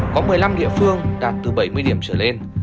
có một mươi năm địa phương đạt từ bảy mươi điểm trở lên